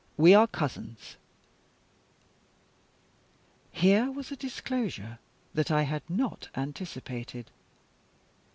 "We are cousins." Here was a disclosure that I had not anticipated.